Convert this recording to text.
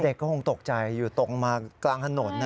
เด็กก็คงตกใจอยู่ตกมากลางถนน